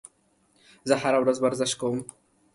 زه هره ورځ ورزش کوم